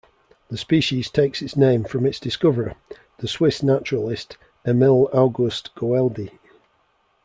The species takes its name from its discoverer, the Swiss naturalist Emil August Goeldi.